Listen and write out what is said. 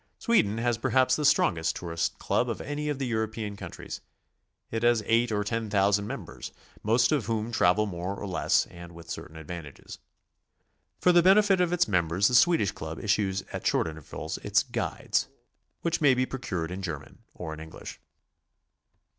Sweden has perhaps the strongest Tour ists' Club of any of the European countries. It has eight or ten thousand members, most of whom travel more or less, and with certain advantages. For the benefit of its members the Swedish Club issues at short intervals its "*Guides," which may be procured in German or in English.